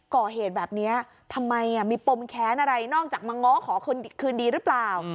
ก่อเหตุแบบนี้ทำไมมีปมแค้นอะไรนอกจากมาง้อขอคืนดีหรือเปล่า